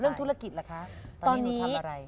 เรื่องธุรกิจแหละคะตอนนี้หนูทำอะไร